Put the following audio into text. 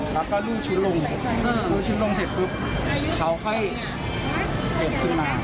ลูกชุดลงเสร็จปุ๊บเขาค่อยเก็บขึ้นมา